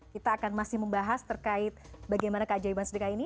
kita akan masih membahas terkait bagaimana keajaiban sedekah ini